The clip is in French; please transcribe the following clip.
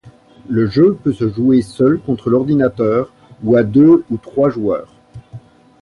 Le jeu peut se jouer seul contre l’ordinateur, ou à deux ou trois joueurs.